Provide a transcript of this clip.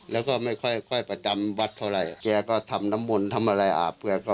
แล้วก็ไม่ค่อยประจำวัดเท่าไหร่แกก็ทำน้ำมนต์ทำอะไรอาบเพื่อเขา